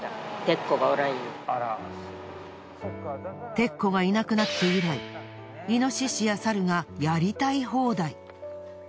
テッコがいなくなって以来イノシシや猿がやりたい放題。